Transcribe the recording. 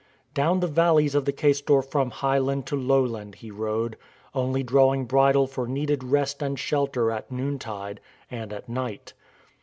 Down the valleys of the Caistor from highland to lowland he rode, only drawing bridle for needed rest and shelter at noontide and at night.